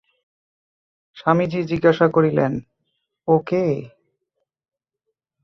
স্বামীজি জিজ্ঞাসা করিলেন, ও কে?